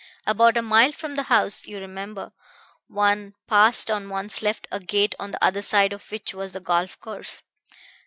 "About a mile from the house, you remember, one passed on one's left a gate on the other side of which was the golf course.